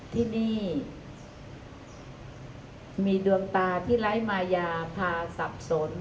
ที่นี่มีดวงตาที่ไร้มายาพาสับสน